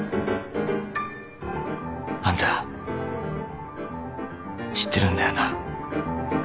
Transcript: あんた知ってるんだよな？